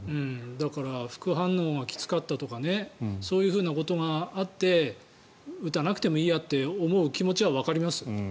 だから副反応がきつかったとかそういうふうなことがあって打たなくてもいいやと思う気持ちはわかります。